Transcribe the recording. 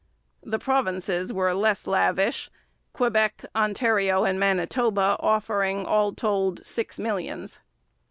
The provinces were less lavish, Quebec, Ontario, and Manitoba offering all told six millions.